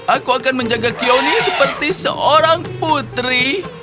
aku akan menjaga kioni seperti seorang putri